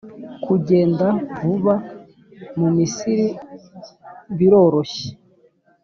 kugenda buva mu Misiri broroshye